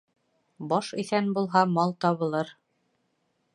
Баш иҫән булһа, мал табылыр.